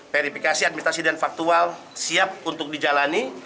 verifikasi administrasi dan faktual siap untuk dijalani